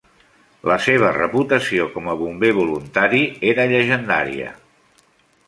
La seva reputació com a bomber voluntari era llegendària.